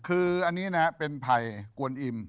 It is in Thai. คืออันนี้นะเป็นไผ่กวนอิ่ม